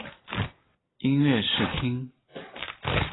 音乐试听